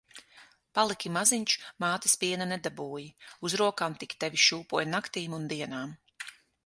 Paliki maziņš, mātes piena nedabūji. Uz rokām tik tevi šūpoju naktīm un dienām.